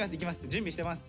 準備してます」。